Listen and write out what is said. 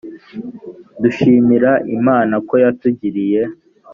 dushimira imana ko yatugiriye